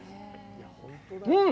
うん！